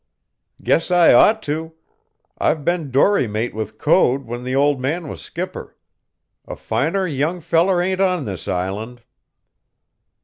"Guess I ought to. I've been dorymate with Code when the old man was skipper. A finer young feller ain't on this island."